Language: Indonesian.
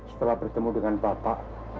setelah bertemu dengan bapak